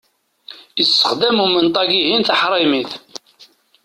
Issexdam umenṭag-ihin tiḥraymit.